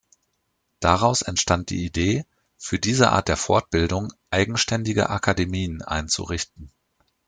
Daraus entstand die Idee, für diese Art der Fortbildung eigenständige Akademien einzurichten.